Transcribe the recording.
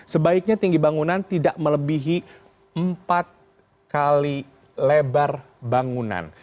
sebaiknya tinggi bangunan tidak melebihi empat kali lebar bangunan